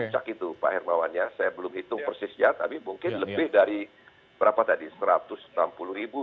saya belum hitung persisnya tapi mungkin lebih dari satu ratus enam puluh ribu